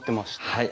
はい。